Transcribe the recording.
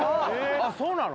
あっそうなの？